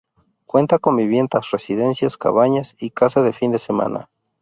Cuenta con viviendas, residencias, cabañas y casas de fin de semana.